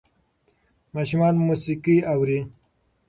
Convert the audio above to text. ماشومان موسیقي اوري.